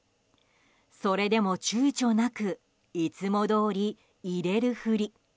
それでもちゅうちょなくいつもどおり入れるふり。